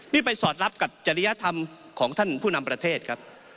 นี่ไปสอดรับกับจริยธรรมของท่านผู้นำประเทศครับ